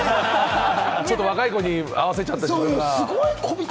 ちょっと若い子に合わせちゃった、自分が。